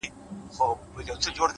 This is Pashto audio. پرمختګ د دوامداره تمرین نتیجه ده,